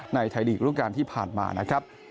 ในไทยลีกส์รุ่งการที่ผ่านมานะครับ